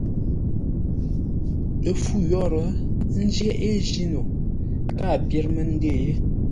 Ə́ fû yórə́, ə́ njyéʼ yé jíno, káa pyér mə́ ndə̂ʼ yé.